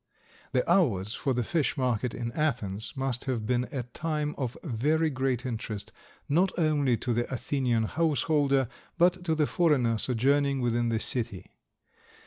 The hours for the fish market in Athens must have been a time of very great interest, not only to the Athenian householder but to the foreigner sojourning within the city.